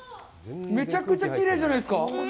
めちゃくちゃきれいじゃないですか。